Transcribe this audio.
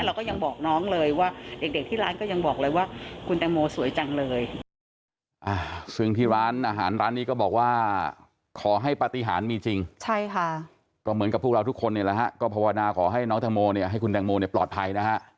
เราก็ยังบอกน้องเลยว่าเด็กที่ร้านก็ยังบอกเลยว่าคุณแตงโมสวยจังเลย